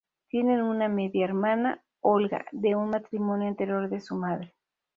Tienen una media hermana, Olga, de un matrimonio anterior de su madre.